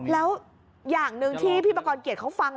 แล้วอย่างหนึ่งที่พี่ประกอบเกียรติเขาฟัง